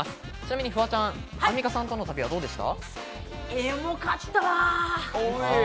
フワちゃん、アンミカさんとの旅はどうでした？